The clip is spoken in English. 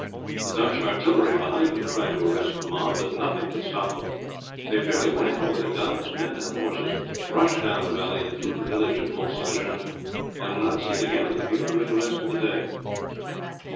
The Dutch artillery behind them tried to arrest the mob; but nothing could stop them they fairly ran over guns, men, and horses, rushed down the valley and through the village of Mount St. Jean, and were not seen again in the field during the rest of the day.